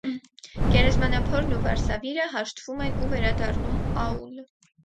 Գերեզմանափորն ու վարսավիրը հաշտվում են ու վերադառնում աուլ։